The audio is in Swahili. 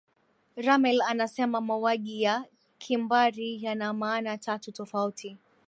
rummel anasema mauaji ya kimbari yana maana tatu tofauti